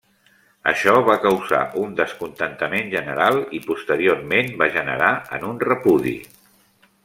Això va causar un descontentament general i posteriorment va generar en un repudi.